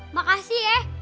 mpok makasih ya